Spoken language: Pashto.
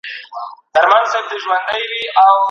چي لوی کړی دي هلک دی د لونګو بوی یې ځینه